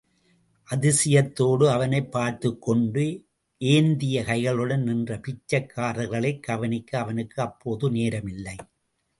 அதிசயத்தோடு அவனைப் பார்த்துக் கொண்டு, ஏந்திய கைகளுடன் நின்ற பிச்சைக் காரர்களைக் கவனிக்க அவனுக்கு அப்போது நேரமில்லை.